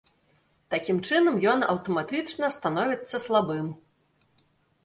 Такім чынам, ён аўтаматычна становіцца слабым.